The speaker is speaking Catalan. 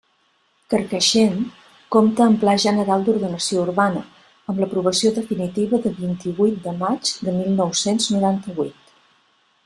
Carcaixent, compta amb Pla general d'ordenació urbana, amb l'aprovació definitiva de vint-i-huit de maig de mil nou-cents noranta-huit.